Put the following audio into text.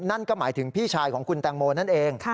นั่นก็หมายถึงพี่ชายของคุณแตงโมนั่นเอง